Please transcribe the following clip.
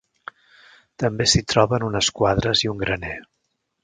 També s'hi troben unes quadres i un graner.